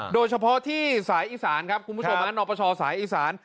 โดยเฉพาะที่สายอีสานครับคุณผู้ชมนปชสายอีสาน